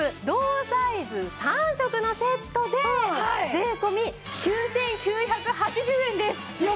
同サイズ３色のセットで税込９９８０円です。